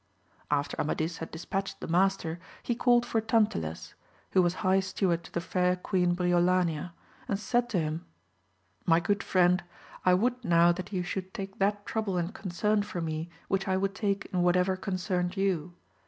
{FTEK Amadis had dispatched the master, he called for Tantiles, who was high steward to the fair Queen Briolania, and said to him, My good friend, I would now that you should take that trouble and concern for me, which I would take in whatever concerned you.